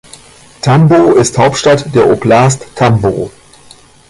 Tambow ist Hauptstadt der Oblast Tambow.